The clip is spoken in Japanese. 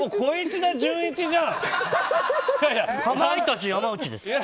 かまいたち、山内です。